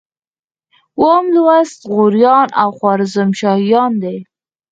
اووم لوست غوریان او خوارزم شاهان دي.